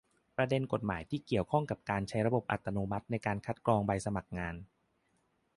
ประเด็นกฎหมายที่เกี่ยวข้องกับการใช้ระบบอัตโนมัติในการคัดกรองใบสมัครงาน